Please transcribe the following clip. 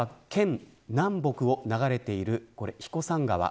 また、県南北を流れている彦山川。